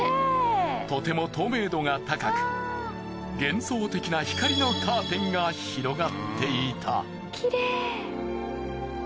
とても透明度が高く幻想的な光のカーテンが広がっていた。